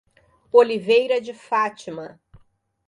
Oliveira de Fátima